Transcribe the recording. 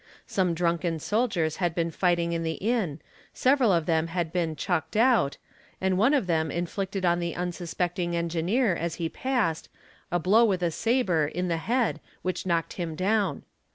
Some drunken soldiers had been fighting iP the inn, several of them had been "chucked out'', and one of them nflicted on the unsuspecting engineer as he passed a blow with a sabre r n the head which knocked him down.